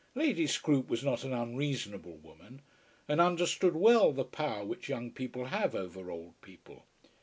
Lady Scroope was not an unreasonable woman, and understood well the power which young people have over old people.